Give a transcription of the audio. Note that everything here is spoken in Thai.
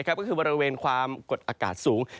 ก็คือบริเวณความกดอากาศสูง